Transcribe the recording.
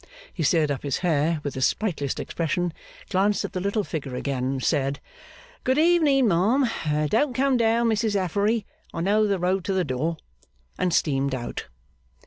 He stirred up his hair with his sprightliest expression, glanced at the little figure again, said 'Good evening, ma 'am; don't come down, Mrs Affery, I know the road to the door,' and steamed out.